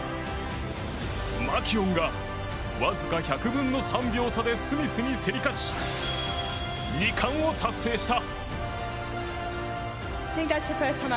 マキュオンがわずか１００分の３秒差でスミスに競り勝ち２冠を達成した。